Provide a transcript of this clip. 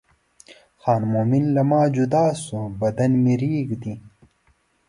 خان مومن له ما جدا شو بدن مې رېږدي.